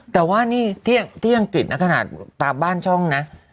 แต่ว่านี่ที่อังกฤษนะขนาดตามบ้านช่องนะ